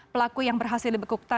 pelaku yang berhasil dibekuk